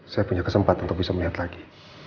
saya punya kesempatan untuk bisa melihat lagi